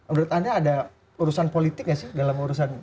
menurut anda ada urusan politik nggak sih dalam urusan